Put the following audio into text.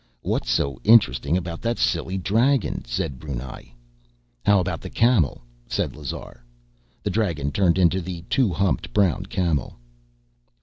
"What's so interesting about that silly dragon?" said Brunei. "How about the camel?" said Lazar. The dragon turned into the two humped brown camel.